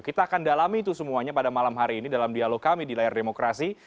kita akan dalami itu semuanya pada malam hari ini dalam dialog kami di layar demokrasi